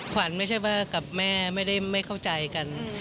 ขวัญไม่ใช่ว่ากับแม่ไม่ได้ไม่เข้าใจกัน